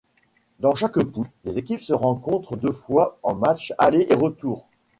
Dans chaque poule les équipes se rencontrent deux fois en match aller et retour.